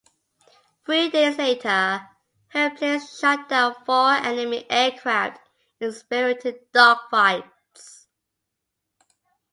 Three days later, her planes shot down four enemy aircraft in spirited dogfights.